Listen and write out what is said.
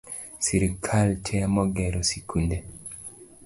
Sirkal temo gero sikunde